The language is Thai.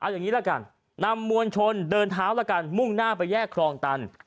อย่างนี้ละกันนำมวลชนเดินเท้าละกันมุ่งหน้าไปแยกครองตัน